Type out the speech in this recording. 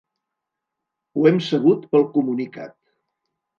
Ho hem sabut pel comunicat.